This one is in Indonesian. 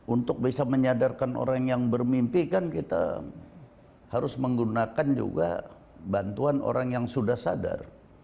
untuk bisa menyadarkan orang yang bermimpi kan kita harus menggunakan juga bantuan orang yang sudah sadar